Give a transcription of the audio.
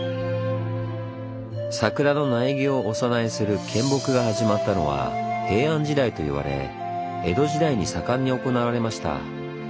桜の苗木をお供えする「献木」が始まったのは平安時代といわれ江戸時代に盛んに行われました。